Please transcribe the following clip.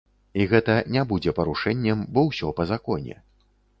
І гэта не будзе парушэннем, бо ўсё па законе.